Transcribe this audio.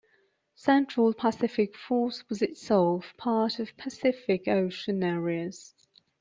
Central Pacific Force was itself part of Pacific Ocean Areas.